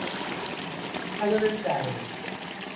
HELENA'S DIARY.